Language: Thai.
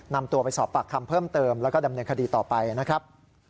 นำตัวไปสอบปากคำเพิ่มเติมแล้วก็ดำเนินคดีต่อไปนะครับ